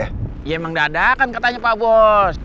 ya emang dadakan katanya pak bos